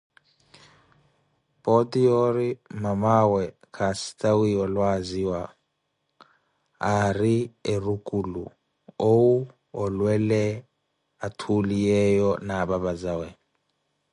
Pooti yoori mamaa awe kastawiye olwaaziwa aarina erukulu, owu olwele athuliyeeyo na apapa zawe.